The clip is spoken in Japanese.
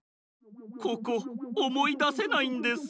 ここおもいだせないんです。